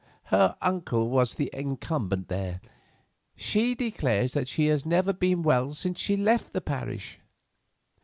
Her uncle was the incumbent there. She declares that she has never been well since she left the parish."